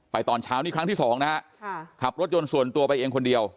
ตอนเช้านี่ครั้งที่สองนะฮะขับรถยนต์ส่วนตัวไปเองคนเดียว